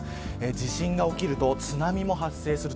地震が起きると津波も発生する。